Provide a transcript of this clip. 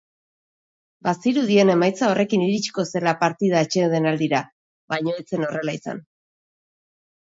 Bazirudien emaitza horrekin iritsiko zela partida atsedenaldira, baina ez zen horrela izan.